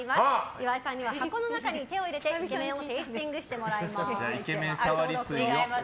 岩井さんには箱の中に手を入れてイケメンをテイスティングしてもらいます。